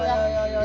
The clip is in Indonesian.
siap siap dulu ya